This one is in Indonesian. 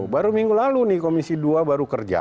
baru minggu lalu nih komisi dua baru kerja